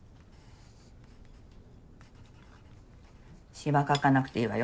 シワ描かなくていいわよ。